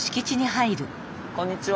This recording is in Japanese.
こんにちは。